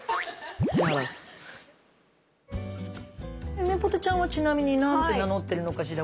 ゆめぽてちゃんはちなみに何て名乗ってるのかしら？